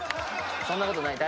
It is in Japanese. そんなことない。